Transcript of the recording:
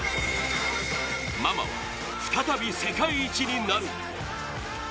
ママは再び世界一になる。